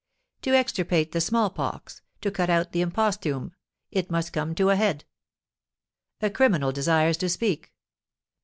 To extirpate the smallpox, to cut out the imposthume, it must come to a head." A criminal desires to speak.